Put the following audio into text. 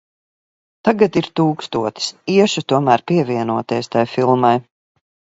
Tagad ir tūkstotis. Iešu tomēr pievienoties tai filmai.